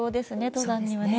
登山にはね。